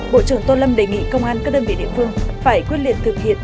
bộ trưởng tô lâm đề nghị công an các đơn vị địa phương phải quyết liệt thực hiện